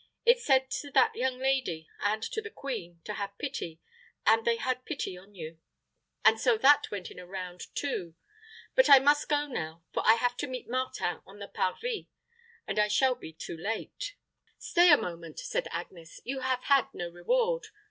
It said to that young lady, and to the queen, to have pity; and they had pity on you; and so that went in a round too. But I must go now, for I have to meet Martin on the parvis, and I shall be too late." "Stay a moment," said Agnes. "You have had no reward."